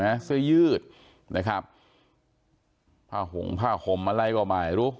เสื้อยืดนะครับผ้าห่มผ้าห่มอะไรก็ไม่รู้